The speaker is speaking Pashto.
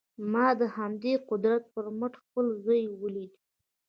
ما د همدې قدرت پر مټ خپل زوی وليد.